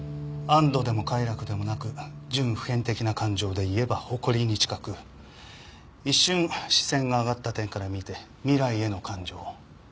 安堵でも快楽でもなく準普遍的な感情で言えば誇りに近く一瞬視線が上がった点から見て未来への感情。